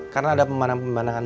karena ada pembandangan pembandangan